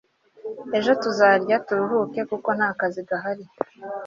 ejo tuzaryama turuhuke kuko ntakazi gahari